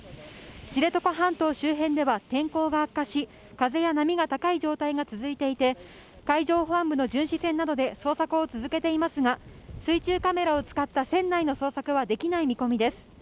知床半島周辺では天候が悪化し、風や波が高い状態が続いていて、海上保安部の巡視船などで捜索を続けていますが、水中カメラを使った船内の捜索はできない見込みです。